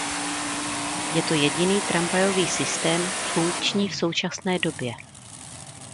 Je to jediný tramvajový systém funkční v současné době.